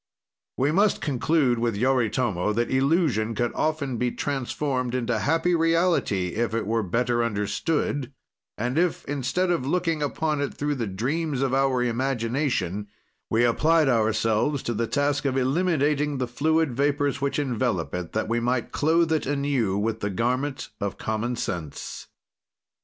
We must conclude, with Yoritomo, that illusion could often be transformed into happy reality if it were better understood, and if, instead of looking upon it through the dreams of our imagination, we applied ourselves to the task of eliminating the fluid vapors which envelop it, that we might clothe it anew with the garment of common sense.